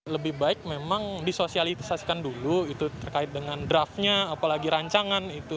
lebih baik memang disosialisasikan dulu itu terkait dengan draftnya apalagi rancangan itu